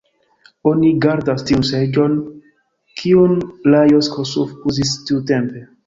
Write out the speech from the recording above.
Oni gardas tiun seĝon, kiun Lajos Kossuth uzis tiutempe.